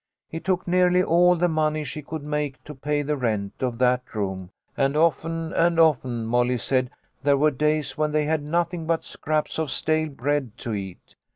It took nearly all the money she could make to pay the rent of that room, and often and often, Molly said, there were days when they had nothing but scraps of stale bread to eat.